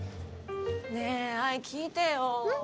ねえ、あい、聞いてよ。